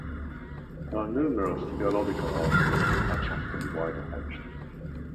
Her numerous theological articles attracted wide attention.